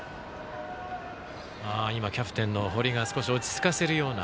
キャプテンの堀が少し落ち着かせるような